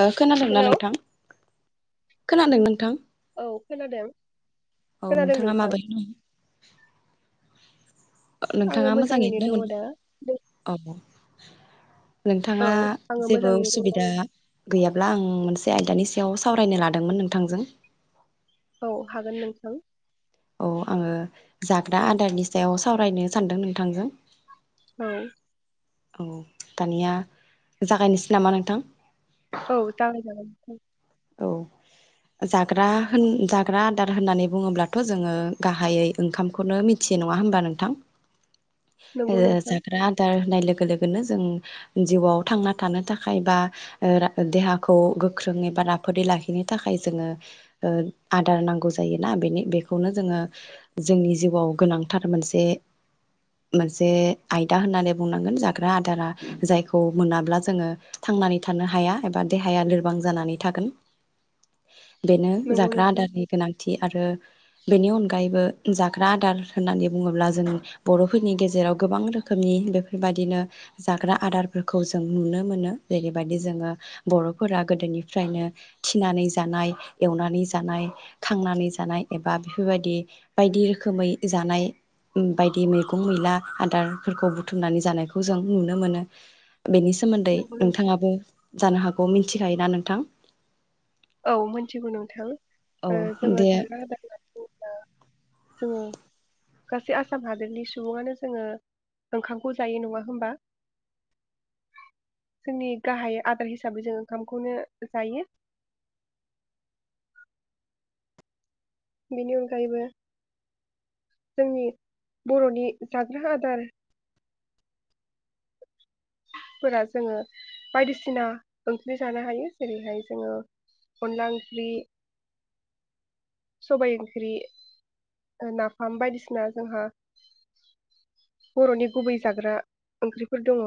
ओ खोनादोंना हेलौ नोंथां। खोनादों नोंथां। औ खोनादों औ खोनादों नोंथाङा नोंथां। माबायदि आङो नोंथाङा मोजाङैनो दङ ना दा नों- औ। [inaudible] औ नोंथाङा आङो जेबो मोजाङैनो दङ उसुबिदा। गैयाब्ला आं मोनसे आयदानि सायाव सावरायनो लादोंमोन नोंथांजों। औ हागोन नोंथां। औ आङो जाग्रा आदारनि सायाव सावरायनो सानदों नोंथांजों। औ। औ दानिया जागायनोसै नामा नोंथां? औ जागाय जागोन। औ जाग्रा होन जाग्रा आदार होननानै बुङोब्लाथ' जोङो गाहायै ओंखामखौनो मिथियो नङा होमबा नोंथां? ओ नंगौ नोंथां जाग्रा आदार होननाय लोगो लोगोनो जों जिउआव थांना थानो थाखाय बा ओ देहाखौ गोख्रों एबा रा फोदै लाखिनो थाखाय जोङो ओ आदार नांगौ जायोना बेनि बेखौनो जोङो जोंनि जिउआव गोनांथार मोनसे मोनसे आयदा होननानै बुंनांगोन जाग्रा आदारा जायखौ मोनाब्ला जोङो थांनानै थानो हाया एबा देहाया लोरबां जानानै थागोन। बेनो नंगौ जाग्रा नोंथां आदारनि गोनांथि आरो बेनि अनगायैबो जाग्रा आदार होननानै बुङोब्ला जों बर'फोरनि गेजेराव गोबां रोखोमनि बेफोरबादिनो जाग्रा आदारफोरखौ जों नुनो मोनो जेरैबायदि जोङो बर'फोरा गोदोनिफ्रायनो थिनानै जानाय, एवनानै जानाय, खांनानै जानाय एबा बेफोरबायदि बायदि रोखोमै जानाय बायदि मैगं मैला आदार फोरखौ बुथुमनानै जानायखौ जों नुनो मोनो। बेनि सोमोन्दै नंगौ नोंथां नोंथाङाबो जानो हा अ' मिन्थिखायोना नोंथां? औ मिन्थिगौ नोंथां औ ओ जोङो दे जाग्रा आदार होननानै बुङोब्ला जोङो गासै आसाम हादोरनि सुबुङानो जोङो ओंखामखौ जायो नङा होमबा जोंनि गाहाय आदार हिसाबै जों ओंखामखौनो जायो। बेनि अनगायैबो जोंनि बर'नि जाग्रा आदार फोरा जोङो बायदिसिना ओंख्रि जानो हायो जेरैहाय जोङो अनला ओंख्रि, सबाय ओंख्रि, नाफाम बायदिसिना जोंहा बर'नि गुबै जाग्रा ओंख्रिफोर दङ।